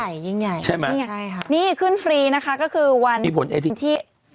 ยิ่งใหญ่ใช่ไหมนี่คืนฟรีนะคะก็คือวันนี้